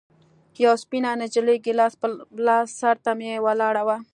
يوه سپينه نجلۍ ګيلاس په لاس سر ته مې ولاړه وه.